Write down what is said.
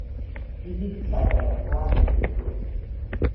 დიდი თუ პატარა, გლახაკი თუ